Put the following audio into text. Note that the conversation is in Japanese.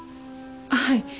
はい。